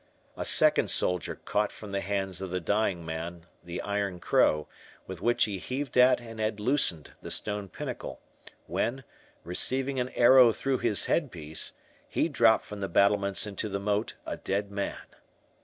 A second soldier caught from the hands of the dying man the iron crow, with which he heaved at and had loosened the stone pinnacle, when, receiving an arrow through his head piece, he dropped from the battlements into the moat a dead man.